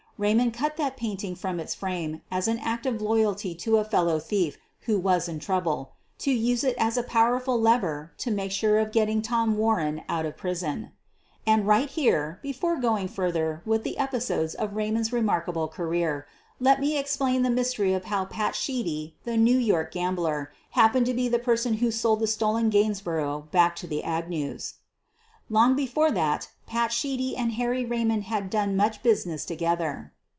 Eaymond cut that painting from its frame as an act of loyalty to a fellow thief who was in trouble — to use it as a powerful lever to make sure of getting Tom Warren cut of prisor And right here, before going further with the episodes of Eaymond's remarkable career, let me explain the mystery of how "Pat" Sheedy, the New York gambler, happened to be the person who sold the stolen Gainsborough back to the Agnews. Long before that "Pat" Sheedy and Harry Eay mond had done much business together.